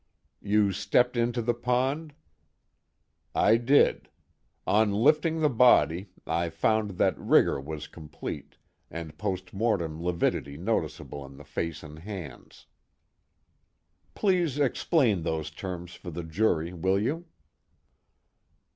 "You stepped into the pond?" "I did. On lifting the body I found that rigor was complete, and post mortem lividity noticeable in the face and hands." "Please explain those terms for the jury, will you?"